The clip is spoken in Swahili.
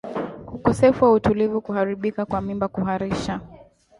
ukosefu wa utulivu kuharibika kwa mimba kuharisha